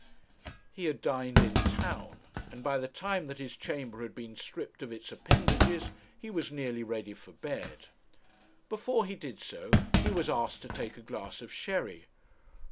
He had dined in town, and by the time that his chamber had been stripped of its appendages, he was nearly ready for bed. Before he did so, he was asked to take a glass of sherry.